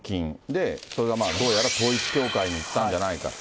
で、それがまあどうやら統一教会に行ったんじゃないかと。